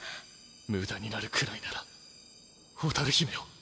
無駄になるくらいなら蛍姫を。